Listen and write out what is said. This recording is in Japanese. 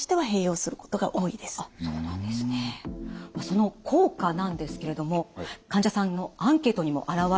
その効果なんですけれども患者さんのアンケートにも表れています。